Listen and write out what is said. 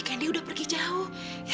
candy udah pergi jauh